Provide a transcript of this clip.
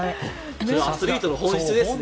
アスリートの本質ですね。